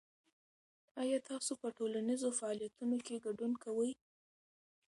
آیا تاسو په ټولنیزو فعالیتونو کې ګډون کوئ؟